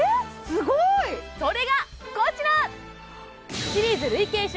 すごい！それがこちら！